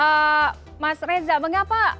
adalah sebuah pilihan yang sangat tepat yang sangat gitu